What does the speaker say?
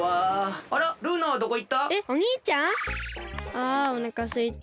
あおなかすいた！